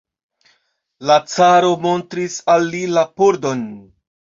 La caro montris al li la pordon.